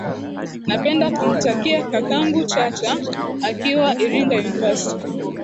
napenda kumtakia kakangu chacha akiwa iringa university